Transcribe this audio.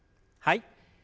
はい。